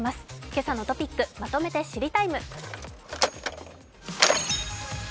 今朝のトピックまとめて「知りＴＩＭＥ，」。